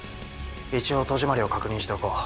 一応戸締まりを確認しておこう。